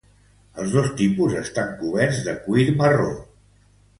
Els dos tipus estan coberts de cuir marró.